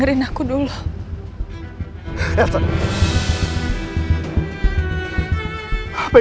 rika jangan lusuk aku